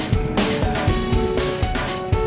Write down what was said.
toh hendak ikut